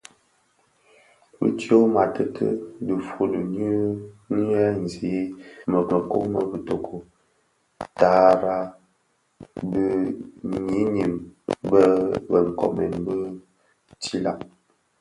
Bi tyoma tïti dhifuli nyi dhemzi mëkuu më bïtoki tara bi ňyinim bë nkoomen bii bë tsilag.